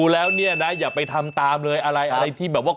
แล้วเขาเปิดมานอดแล้ว